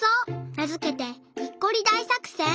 なづけて「にっこり大さくせん」？